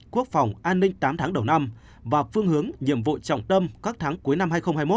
quốc phòng an ninh tám tháng đầu năm và phương hướng nhiệm vụ trọng tâm các tháng cuối năm hai nghìn hai mươi một